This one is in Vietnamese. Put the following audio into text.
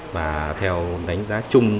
và theo đánh giá chung